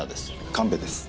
神戸です。